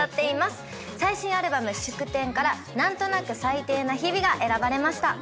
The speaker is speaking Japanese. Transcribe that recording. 最新アルバム『祝典』から『なんとなく最低な日々』が選ばれました。